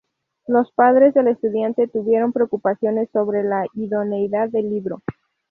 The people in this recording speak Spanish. Los padres del estudiante tuvieron preocupaciones sobre la idoneidad del libro.